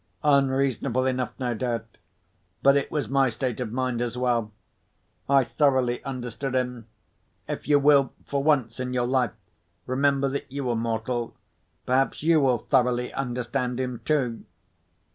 Unreasonable enough, no doubt. But it was my state of mind as well. I thoroughly understood him. If you will, for once in your life, remember that you are mortal, perhaps you will thoroughly understand him too.